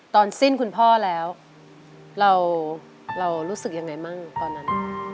ตอนสิ้นคุณพ่อแล้วเรารู้สึกยังไงมั่งตอนนั้น